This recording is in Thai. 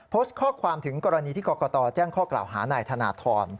โพสต์ข้อความถึงกรณีที่กรกตแจ้งข้อกล่าวหานายธนทร